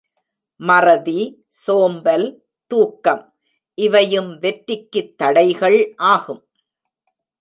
மறதி, சோம்பல், தூக்கம் இவையும் வெற்றிக்குத் தடைகள் ஆகும்.